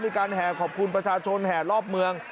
มีการแห่ขอบคุณประชาชนแห่รอบเมือง